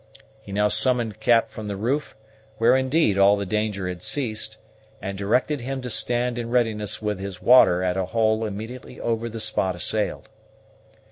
He now summoned Cap from the roof, where, indeed, all the danger had ceased, and directed him to stand in readiness with his water at a hole immediately over the spot assailed.